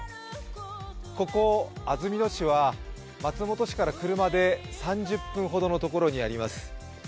ここ安曇野市は松本市から車で３０分ほどのところにあります。